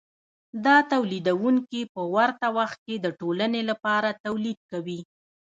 دا تولیدونکي په ورته وخت کې د ټولنې لپاره تولید کوي